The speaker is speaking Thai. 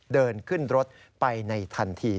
เดินขึ้นรถไปในทันที